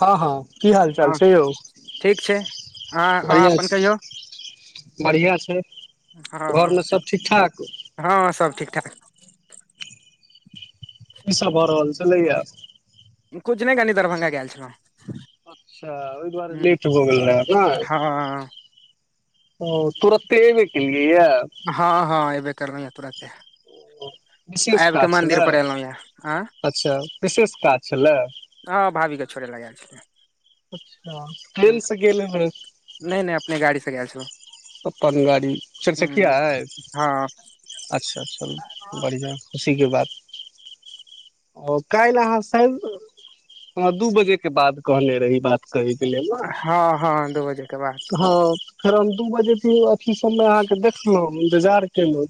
हँ हँ की हालचाल छै यौ हँ हँ बढ़िआँ अपन छै कहियौ बढ़िआँ छै हँ घरमे सब ठीक ठाक की हँ हँ सब ठीक ठाक की सब भऽ रहल छलैया कुछ नइ कनी दरभंगा गेल छलौहं अच्छा ओहि दुआरे लेट हो गेल रहै नइ हँ ओ तुुरते ऐबै केलिये हँ हँ एबे करलियै तुरते विशेष आबि के काज मंदिर छलै पर एलहुं ये आँ अच्छा विशेष काज छलै हँ भाभी के छोड़े लै गैल छलियै अच्छा ट्रेन से गेल हेबय नहि नहि अपने गाड़ी से गेल छलहुँ अपन गाड़ी चारचकिया हूँ अइ हँ अच्छा चलु बढ़िआँ खुशी के बात ओ काल्हि अहाँ शाइद दू बजे के बाद कहने रही बात करै करइ के लेल न हँ हँ दू बजे के बाद हँ फेर हम दू बजेके अथी सबमे अहाँके देखलउ इंतजार केलउ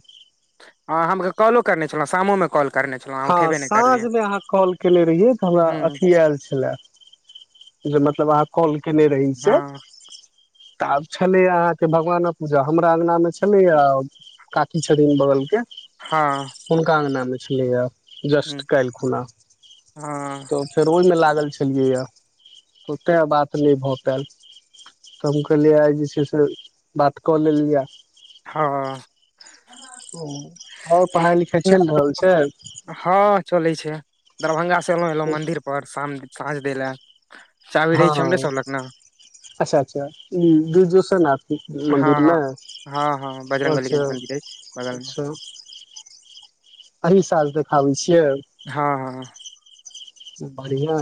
आ हमके कॉलो करने छलहुॅं शामो में कॉल करने छलहुँ अहाँ हँ उठेबे नहि साँझ करलियै मे अहाँ कॉल केने रहियै तऽ हमरा हूँ अथी आयल छलए जे मतलब अहाँ कॉल केने रही से हँ तऽ आब छलैए अहाँ के भगवानक पूजा हमरा अङ्गनामे छलैए काकी छथिन बगल के हँ हुनका अंगना मे छलैया हूँ जस्ट काल्हि खुना हँ तऽ फेर ओहि मे लागल छलियैए ओतेक बात नै भऽ पैल तऽ हम कहलियै आइ जे छै से बात कऽ लेल जँ हँ ओ आओर पढ़ाइ लिखाइ चलि रहल छै हँ चलै छै दरभंगा से एलहुं एलहुं मंदिर पर शाम साँझ दै लए चाभी रहै छै हमरे हँ सब लग ने अच्छा अच्छा ई ग्रेजुएशन आ हँ हँ मन्दिरमे हँ हँ बजरंगबली के अच्छा मंदिर अछि बगल मे अच्छा अभी साल देखाबै छी हाँ हाँ बढ़ियाॅं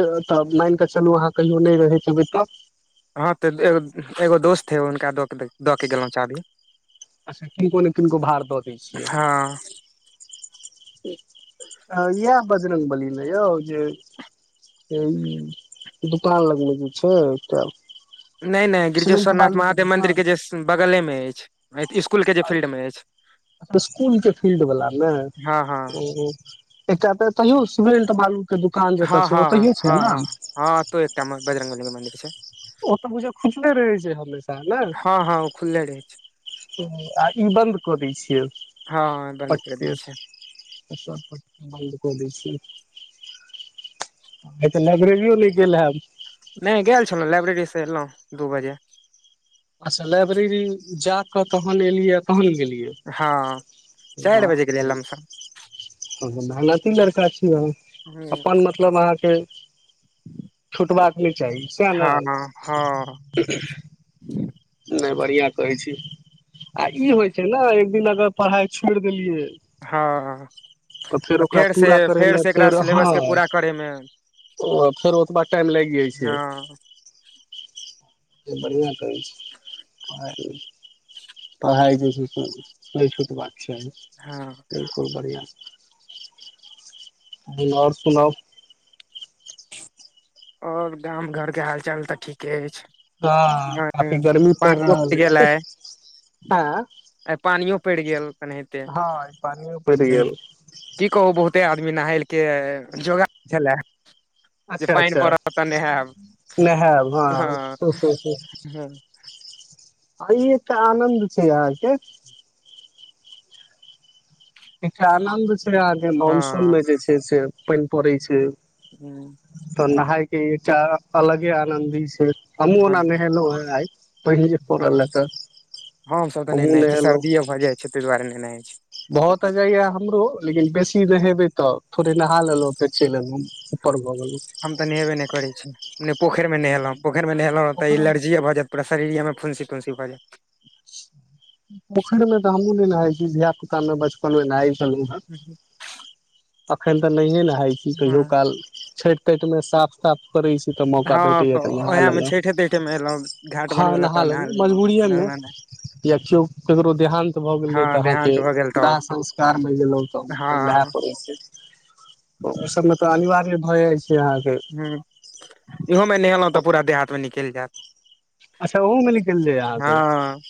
ड तऽ मान कऽ चलू अहाँ कहियो नहि रहैत एबै तब हँ तऽ एगो एगो दोस्त हे हुनका दऽ के दऽ के गेलहुँ चाभी अच्छा किनको ने किनको भाड़ दऽ दै छियै हँ हँ इएह बजरङ्गबलीमे यौ जे ई क द कान लगब कि छै एक त नहि नहि गिरिजेश्वर नाथ महादेव मन्दिरके जे बगलेमे अइछ स्कुलके फील्डवला मे ओ एकटा तऽ तैयो सीमेंट बालू के दुकान जतऽ हाँ छै हाँ ओतहिये छै हाँ हाँ ने हाँ हाँ तो एकटा बजरंगबली मन्दिर छै ओ तऽ बुझिय खुजले रहै छै हमेशा नै हँ हँ ओ खुलले रहै छै आ ई बन्द कऽ दै छियै हँ बन्द कर दै पटके छै पट बन्द क दै छियै तऽ लइब्रेरी नहि गेल हैब नहि गेल छलहुँ लाइब्रेरी से एयलहुँ दू बजे अच्छा लाइब्रेरी जाकऽ तहन एलियै तहन गेलियै हँ चार बजे गेल लमसम ह मेहनती लड़का छीय अ हँ अपन मतलब अहाँके छुटबाक नहि चाही सएह हँ ने नहि बढ़िया कहै छी आ ई होइ छै ने एक दिन अगर पढ़ाई छोड़ देलियै हाँ फेर तऽ ओकरा फेरसे पूरा करयमे फेरसे एकरा सिलेबसके पूरा करयमे ओ फेर ओतबा टाइम लागि जाइ छै हँ से बढ़ियाॅं कहै छै आ पढ़ाई जे छै से नहि छुटबाक चाही हँ बिल्कुल बढ़ियाॅं ह ओर सुनाउ ओर गाम घर के हाल चाल तऽ ठीके अइछ हाँ काफी गर्मी पड़ि रहल गेल है आइ आ आइ पानियो पड़ि गेल हँ पानियो पड़ि गेल की कहु बहुते आदमी नाहाई के जोगार छलए जे पानि पड़त तऽ नेहेब नेहेब हाँ हँ आ ई एतऽ आनन्द छै अहाँके एक आनंन्द छै अहाँके मनसून हँ मे जे छै से पानि पड़ै छै ह्म त नहाय के एकटा अलगे आनन्दी छै हमूँ ओना नहेलो है आई पाइन जे पड़ल है त हमसब तऽ नहि नहाई छी सर्दिए भऽ जाइत छी तहि दुआरे नै नहाई छी भहुत अ जाइया हमरो लेकिन बेसी नहेबै तऽ थोड़े नहा लेलहुँ फेर चलि येलउ हम तऽ नहेबे नहि करै छी नहि पोखरमे गेलहुँ नहेलहुँ पोखरमे नहेलहुँ तऽ पोखरिमे एलर्जिए भऽ जायत पूरा शरीरमे फुनसी खुनसी भ जैत पोखर मे तऽ हमूँ नइ नहाई छी धिया पुता मे बचपन मे नहाई जायत अखन तऽ नहिए नाय छी कहियो हँ काल छठ पेटमे साफ ताफ करै छी तऽ मौका हाँ भेटैया तऽ नहा ओएह मे लेलहुँ छठे तेठे मे एलहुं घाट हँ बनबे लए तऽ नहा लेलहुँ मजबूरिएमे लेल [inaudible] या केओ केकरो देहानंत भए गेले त अहाँ के देहान्त भऽ गेल तब दाह संस्कार में गेलों ताय हँ पर ऐसे तऽ ओ सबमे तऽ अनिवार्य भए जाइ छै अहाँके ह इहोमे नहेलहुँ तऽ पूरा देहातमे निकैल जायत अच्छा ओह मे निकल जाय यहाँके हँ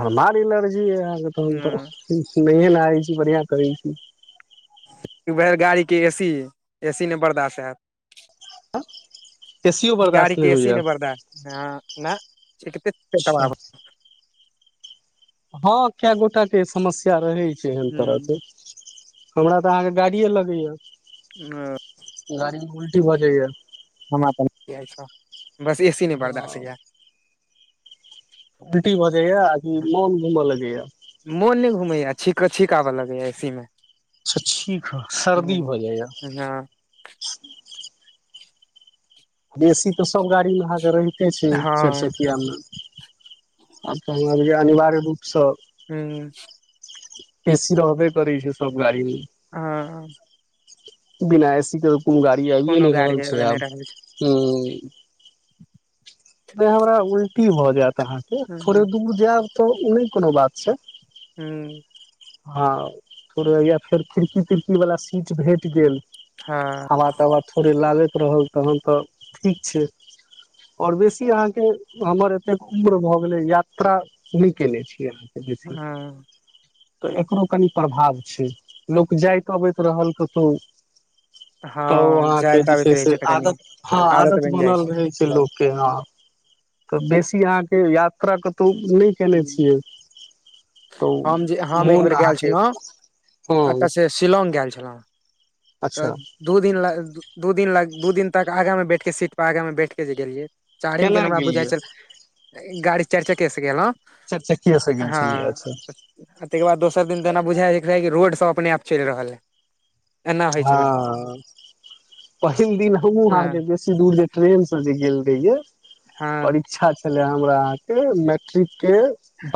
भरमार ल हके ह त नहिए न आै छी बढ़िया करै छी र गाड़ी के ए सी एसी नहि बर्दाश्त हेत एसियो गाड़ी बर्दाश्त के एसी होइया नहि बरदास ह ना चे अच्छा चब हँ कए गोटा के समस्या रहै छै एहन तरहके हमरा तऽ अहाँके गाड़ीे लगै या गाड़ी मे उल्टी भ जैया हमरा तऽ छ बस ए सी नहि बर्दश्त हैय उलटी भऽ जाइया आ मन घुमय लगैया छिक छीक आवऽ लगैया एसी में अछा ठीक ह सर्दी भ जाइया हँ बेसी तऽ सभ गाड़ीमे अहाँके रहिते छै हँ चरचकियामे आच त हमभ जे अनिवार्य हू ए सी रहबे करै छै सब गाड़ी मे हँ बिना एसी के त कोनो गाड़ी आबिए कोनो नहि गाड़ी रहल छै एबे नहि आब रहल छै ह नहि हमरा उलटी भऽ जायत अहाँके ह थोड़े ह दूर जायब तऽ ओ नहि कोनो बात छै हू हँ थोड़ा फेर खिड़की तिड़की वाला सीट भेट गेल हवा तवा थोड़े लागैत रहल तखन तऽ ठीक छै और बेसी आहाँ के हमर एतेक उम्र भए गेले यात्रा न केने छी अहाँ हँ बेसी हँ तऽ एकरो कनि प्रभाव छै लोक जाइत अबैत रहल कतहु तऽ हँ अहाँके जाइत जे आबैत छै रहै से तऽ कनि आदत हँ आदत बनल रहै छै लोक के हूं हँ तऽ बेसी अहाँके यात्रा कतहु नहि केने हूं छियै हम जे तऽ हम एक मोन बेर गेल अहाँके छलहुँ हँ एतऽ से शिलोंग गेल छौ तऽ अच्छा दू दिन दू दिन लग दू दिन तक आगा मे बैठ के सीट पर आगा मे बैठ के जे गेलियै चारिम केना दिन हमरा बुझाइ गेलियै छल गाड़ी चार चके से गेल हँ चारि चक्किये से गेल छलियै हँ अच्छा तके बाद दोसर दिन त न बुझ रह रोड सब अपने आप चैल रहल है एना होइ छलै हँ पहिल दिन हमूँ हँ अहाँके बेसी दूर जे ट्रेनसँ जे गेल रहियै हँ परीक्षा छलै हमरा अहाँके मैट्रिकके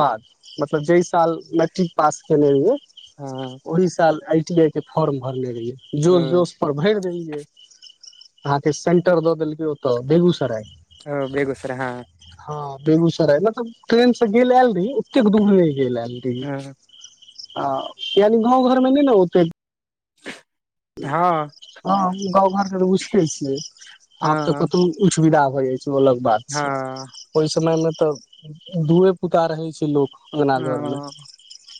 बाद मतलब जहि साल मैट्रिक पास केने रिह्येम हँ ओहि साल आई टी आई के फॉर्म भरने रहिये जोश ओ जोश पर भैर देलै अहाँके सेंटर दऽ देलकै ओतऽ बेगूसराय ओ बेगुसराय हँ हँ बेगूसराय मतलब ट्रेन से गेल आयल रही ओतेक दूर नहि गेल आयल रही हँ आ यानि गाँव घरमे नहि ने ओते [inaudible] हँ गाँव घरके तऽ बुझते छियै आब तऽ हँ हँ कतहु उ सुविदा हो जाइ छै ओ अलग बात छै हँ ओहि समय मे तब धूएे पुता रहै छै लोक अङगना घरमे हँ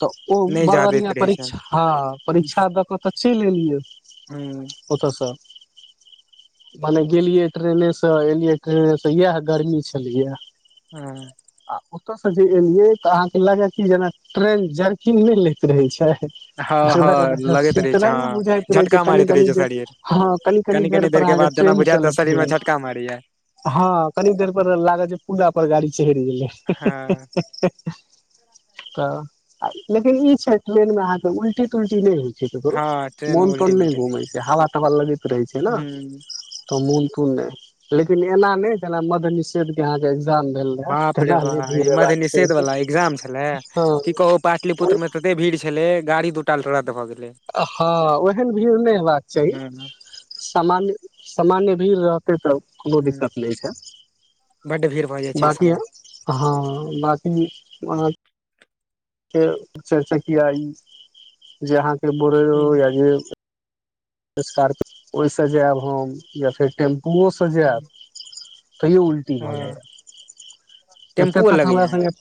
तऽ ओ नहि बड़ जा दैत बढ़िआँ रहै छै परीक्षा हँ परीक्षा द क तऽ चैल गेलियै हूँ ओतयसँ मने गेलियै ट्रेनेसँ एलियै ट्रेनेसँ इएह गर्मी छलिय हँ ओतो से जे एलिये ते अहाँ के लगे की जेना ट्रेन जर्किंग नहि लैत रहे छै हँ लगैत रहै ल छै हँ बुझय झटका कनी मारैत रहै कनी छै दे शरीर हँ कनि कनी देर पर के अहाँके बाद जेना ट्रेन बुझायत तऽ शरीर मे चलैत झटका मारैया हँ कनी देर पर लागल जे पूला पर गाड़ी चहरि गेलै हँ तऽ लेकिन ई छै ट्रेनमे अहाँके उल्टी तुल्टी नहि होइ छै केकरो हँ ट्रेन मे मोन उल्टी तोन नहि उल्टी घुम छै हवा तवा लगैत रहे छै ने हूँ तऽ मोन लेकिन एना नहि जेना मद्यनिषेद के आहा बाप रे बा ई मध्यनिषेध चाही वाला एकग्जाम छले हँ की कहू पाटलिपुत्र मे तऽ भीड़ छलै गाड़ी दू टा रद भऽ गेल हँ ओहन भीड़ नहि हेबाक चाही ह सामान्य सामान्य ओते तऽ कोनो दिक्कत नहि बड्ड भीड़ भऽ जाइ छै छै एहि बाकि सबमे हँ बाकी ओना के चारि चकिया ई जे अहाँके बोरेरो हूँ या जे स्कार्पियो ओहिसँ जायब हम या फेर टेम्पूओसँ जायब तहियो उलटी भऽ हँ जाएये टेम्पुओ एततक हमरा लगैया संगे अहाँके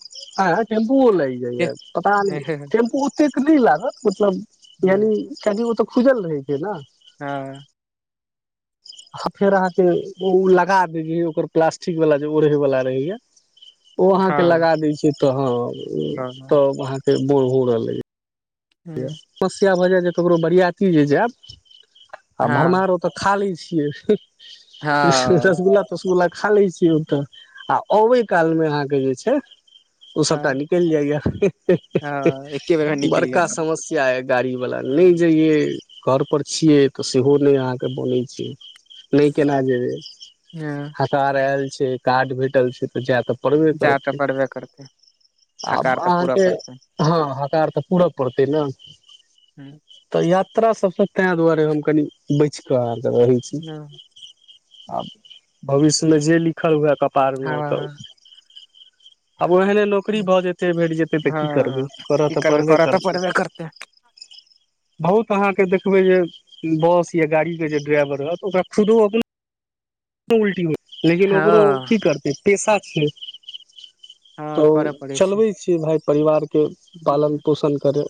ऐ टेम्पू पुअ लाएग जाइये पता हँ नहि टेम्पू औतेक नहि लागत मतलब यानि हँ कनी ओतअ खुजल रहै छै ने हँ आ फेर अहाँके ओ लगा दै ओकर प्लास्टिकवला जे ओढ़ैवला रहैए ओ अहाँके हँ लगा दै छै तऽ हँ हूँ तब अहाँके मोन हउर लगे समस्या भऽ जाय जे ककरो बरियाती जे जायब आ हँ भरमार औतऽ खालए हँ रसगुल्ला तसगुल्ला खा लै छीयै तऽ आ आबै कालमे अहाँके जे छै ओ सबटा हँ निकल जायये हँ एके बेर मे निकलि बरका गेल का सब समस्या अऽ गाड़ी वला नहि जइयै घरपर छियै तऽ सेहो नहि अहाँके बनैत छै नहि केना जेबै ह हकार आयल छै का्ड भेटल छै तऽ जाय तऽ पर बे जा तऽ करतए पड़बे करतै आ हकार तऽ पूरा आहाँके पड़तै हकार तऽ पुरऽ परतय न हूँ तऽ यात्रा सब स ते दुआरे कनी बयच क रहै छी हँ आ भविष्य मे जे लिखल हुएऽ पारनो ओतऽ हँ आब ओहने नौकरी भऽ जेतै भेट जेतै तऽ की करबै हँ करऽ की तऽ करबै परबे करऽ तऽ करतै पड़बे करतै बहुत अहाँके देख देखबै जे बस या गाड़ीके जे ड्राइवर रहत ओकरा खुदो अपनो उल्टी हो लेकिन ओकरो की हँ करतै पेशा छियै हँ तऽ करऽ पड़ै छै चलबै छियै भाई परिवारके पालन हूँ, पोषण करय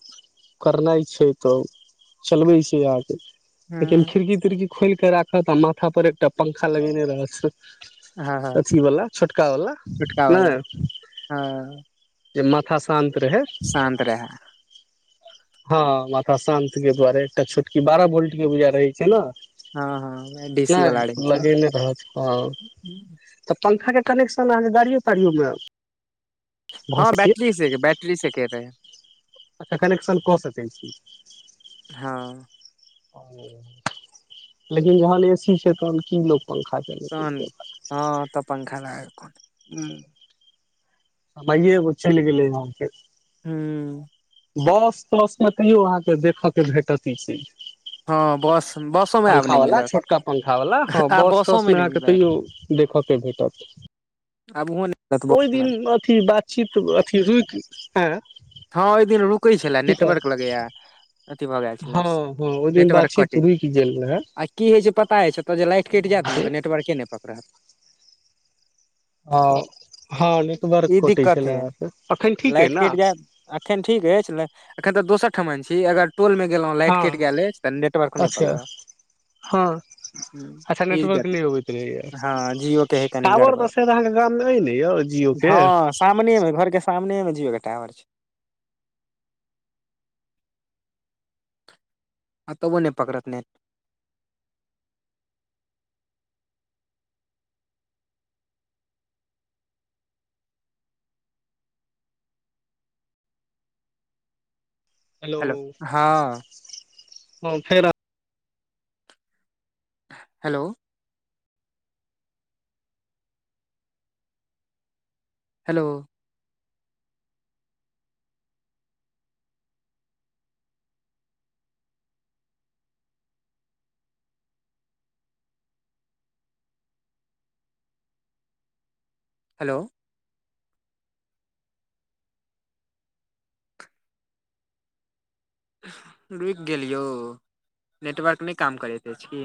करनाइ छै तऽ चलबे छै आहके लेकिन हँ खिड़की तिड़की खोल के राखत आ माथा पर एकटा पंखा लगेने रहैत हँ हँ अथीवला छोटकावला छोटका वाला नहि हँ जे मथा सान शान्त रहै हँ माथा शान्त के दुआरे एकटा छोटकी बारह भोल्ट के बूजा रहै छै ने हँ हँ डीसी ते वाला रहै छै लगेने रहत तऽ पंखा के कनेक्शन अहाँके गाड़ियओ ताड़ियओमे हँ बैटरी से बैटरी से क रहे है अच्छा कनेक्शन कऽ सकै छी हँ ओ लेकिन जहन एसी छै तहन की लोक पंखा तहन चलेते हँ तऽ पंखा लागल कोन ह चल गेल लैके हू बस तस मे तैयो अहाँ के देखय के भेटत ई चीज हँ बस बसो मे आब पंखा नहि वाला मिलत छोटका पंखा वाला हँ आब बस बसो तस नहि मे मिलत तैयो देखक के भेटत आबूहो नहितब ओहि [unintelligible] दिन अथी बातचीत अथी रुकि है हँ ओहि दिन रुकै छल नेटवर्क लगैया अथी भेय गेल छल हँ हँ ओहि दिन नेटवर्क बातचीत कटै रुकि गेल आ की होय छै पता हे छै एतऽ जे लाइट कटि जायत ने रहै तऽ नेटवर्क नहि पकड़त हँ हँ नेटवर्क ई कटै दिक्कत छलै हे से एखन ठीक अइ लाइट ने कटि जायत एखन ठीक अछि ने एखन तऽ दोसर ठमन छी अगर टोल में गेलहुँ लाइट कटि हँ गेल अछि तऽ नेटवर्क नहि पकड़त हाँ अच्छा ई नेटवर्क गड़ी नहि अबैत रहैय हँ जियो के है कनि टावर गड़बड़ तऽर अहाँ के गाम में ने य हँ सामने में घर के सामने में जिओ के टावर छै आ तबो नै पकरत नेट हेलो हाँ फेर हेलो हेलो हेलो रुकि गेलिय यौ नेटवर्क नहि काम करैत अछि की